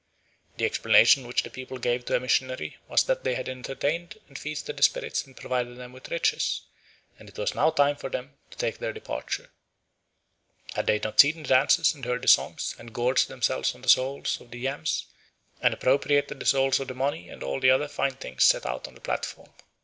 The explanation which the people gave to a missionary was that they had entertained and feasted the spirits and provided them with riches, and it was now time for them to take their departure. Had they not seen the dances, and heard the songs, and gorged themselves on the souls of the yams, and appropriated the souls of the money and all the other fine things set out on the platform?